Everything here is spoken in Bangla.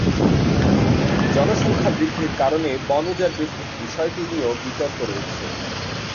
জনসংখ্যা বৃদ্ধির কারণে বন উজাড় বৃদ্ধির বিষয়টি নিয়েও বিতর্ক রয়েছে।